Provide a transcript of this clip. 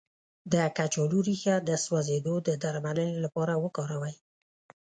د کچالو ریښه د سوځیدو د درملنې لپاره وکاروئ